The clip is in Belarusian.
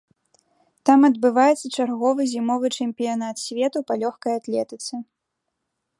Там адбываецца чарговы зімовы чэмпіянат свету па лёгкай атлетыцы.